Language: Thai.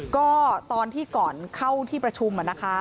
ก็ตอนที่ก่อนเข้าที่ประชุมนะคะ